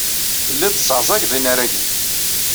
Telliḍ tesseɛẓageḍ inaragen.